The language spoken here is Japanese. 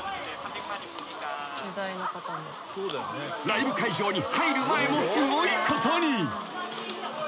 ［ライブ会場に入る前もすごいことに］